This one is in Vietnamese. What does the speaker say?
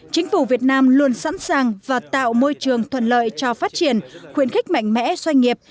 chính phủ việt nam luôn sẵn sàng và tạo môi trường thuận lợi cho phát triển khuyến khích mạnh mẽ doanh nghiệp